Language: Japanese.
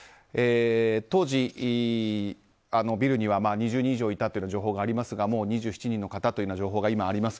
当時、ビルには２０人以上いたという情報もありましたがもう２７人方という情報が今あります。